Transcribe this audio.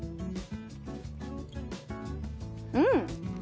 うん！